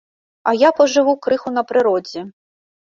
А я пажыву крыху на прыродзе.